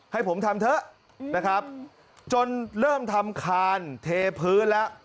ให้ผมทำเถอะนะครับจนเริ่มทำคานเทพื้นแล้ว